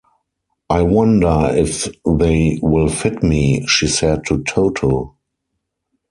"I wonder if they will fit me," she said to Toto.